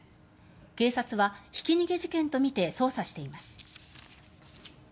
警察はひき逃げ事件とみて捜査しています。